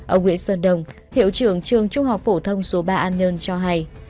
ông nguyễn sơn đồng hiệu trưởng trường trung học phổ thông số ba an nhơn cho hay